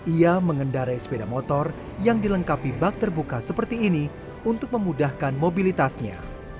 ia mengendarai sepeda motor yang dilengkapi bak terbuka seperti ini untuk memudahkan mobilitasnya